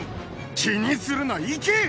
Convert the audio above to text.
気にするないけ！